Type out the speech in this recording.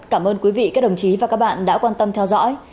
cảm ơn quý vị các đồng chí và các bạn đã quan tâm theo dõi